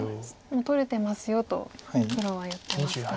「もう取れてますよ」と黒は言ってますか。